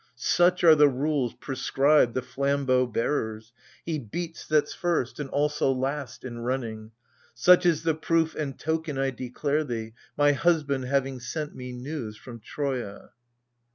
Such are the rules prescribed the flambeau bearers : He beats that's first and also last in running. Such is the proof and token I declare thee, My husband having sent me news from Troia.